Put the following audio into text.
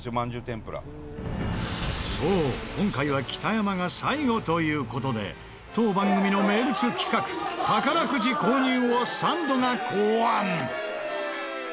そう今回は北山が最後という事で当番組の名物企画宝くじ購入をサンドが考案！